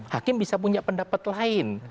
hakim bisa punya pendapat lain